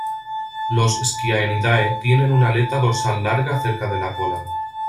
Los Sciaenidae tienen una aleta dorsal larga cerca de la cola